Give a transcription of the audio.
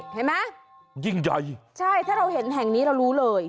เห็นไหมยิ่งใหญ่ใช่ถ้าเราเห็นแห่งนี้เรารู้เลย